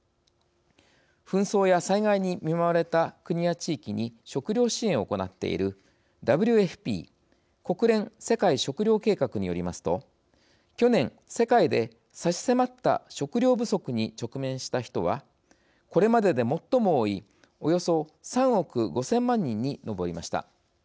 紛争や災害に見舞われた国や地域に食料支援を行っているＷＦＰ＝国連世界食糧計画によりますと去年世界で差し迫った食料不足に直面した人はこれまでで最も多い、およそ３億５０００万人に上りました。